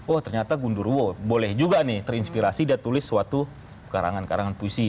oh ternyata gundurwo boleh juga nih terinspirasi dia tulis suatu karangan karangan puisi